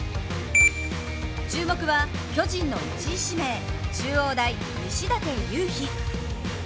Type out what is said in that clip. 注目は巨人の１位指名、中央大、西舘勇陽。